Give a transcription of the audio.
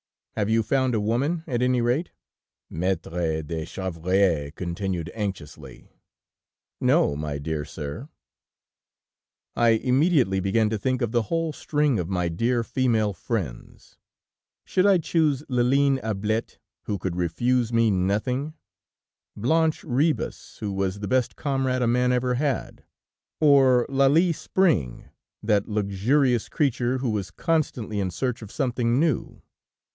"'Have you found a woman, at any rate?' Maître de Chevrier continued anxiously. "'No, my dear sir!' "I immediately began to think of the whole string of my dear female friends. Should I choose Liline Ablette, who could refuse me nothing, Blanch Rebus, who was the best comrade a man ever had, or Lalie Spring, that luxurious creature, who was constantly in search of something new?